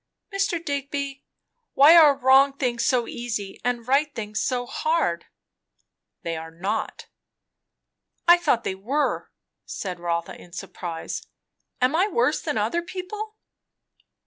"Mr. Digby, why are wrong things so easy, and right things so hard?" "They are not." "I thought they were," said Rotha in surprise. "Am I worse than other people?"